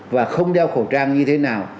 và không đeo khẩu trang như thế nào